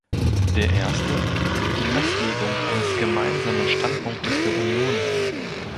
Der erste betrifft die Festlegung eines gemeinsamen Standpunktes der Union.